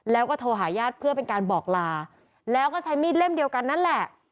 แล้วก็โทรหาญาติเพื่อเป็นการบอกลาแล้วก็ใช้มีดเล่มเดียวกันนั่นแหละ